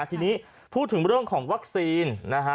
ทีนี้พูดถึงเรื่องของวัคซีนนะฮะ